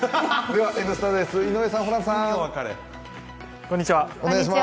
では「Ｎスタ」です、井上さん、ホランさん。